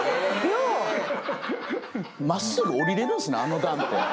真っすぐ下りれるんすねあの段って。